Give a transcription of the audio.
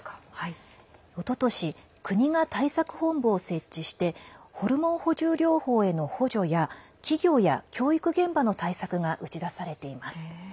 おととし国が対策本部を設置してホルモン補充療法への補助や企業や教育現場の対策が打ち出されています。